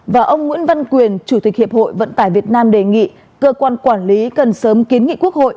và ông nguyễn văn quyền chủ tịch hiệp hội vận tải việt nam đề nghị cơ quan quản lý cần sớm kiến nghị quốc hội